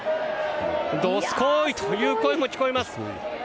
どすこいという声も聞こえます。